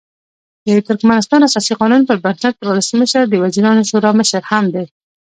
د ترکمنستان اساسي قانون پر بنسټ ولسمشر د وزیرانو شورا مشر هم دی.